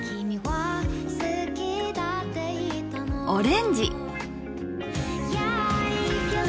オレンジ。